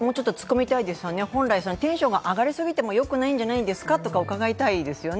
本来、テンションが上がりすぎてもよくないんじゃないですかと伺いたいですね。